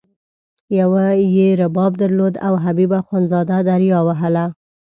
یوه یې رباب درلود او حبیب اخندزاده دریا وهله.